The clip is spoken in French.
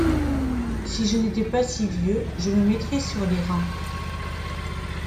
Si je n'étais pas si vieux, je me mettrais sur les rangs.